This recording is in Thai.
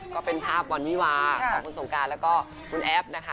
ก็เป็นภาพวันวิวาของคุณสงการแล้วก็คุณแอฟนะคะ